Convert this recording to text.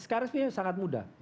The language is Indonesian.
sekarang sebenarnya sangat mudah